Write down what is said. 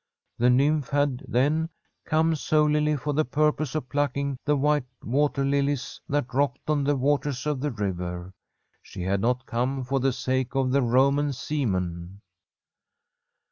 The nymph had, then, come solely for the purpose of plucking the white water lilies that rocked on the waters of the river. She had not come for the sake of the Roman seamen.